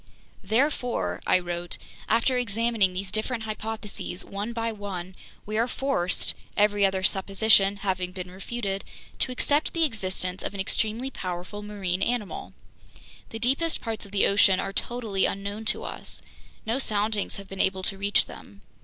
"Therefore," I wrote, "after examining these different hypotheses one by one, we are forced, every other supposition having been refuted, to accept the existence of an extremely powerful marine animal. "The deepest parts of the ocean are totally unknown to us. No soundings have been able to reach them.